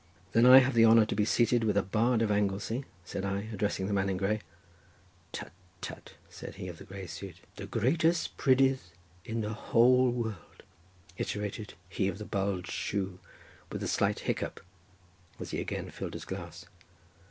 "Then I have the honour to be seated with a bard of Anglesey?" said I, addressing the man in grey. "Tut, tut," said he of the grey suit. "The greatest prydydd in the whole world," iterated he of the bulged shoe, with a slight hiccup, as he again filled his glass.